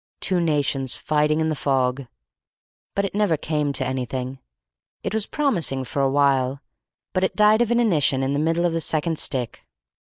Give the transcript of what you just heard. Two nations fighting in the fog," but it never came to anything. It was promising for a while, but it died of inanition in the middle of the second stick.